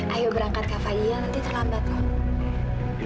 ayo berangkat kak fadil nanti terlambat loh